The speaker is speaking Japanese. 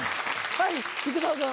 はい。